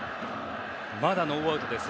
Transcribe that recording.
まだノーアウトです。